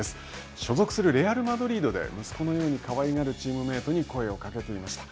所属するレアルマドリードで息子のようにかわいがるチームメートに声をかけていました。